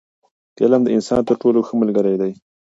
علم د انسان تر ټولو ښه ملګری دی.